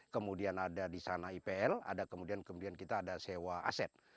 kemudian ada di sana ipl ada kemudian kita ada sewa aset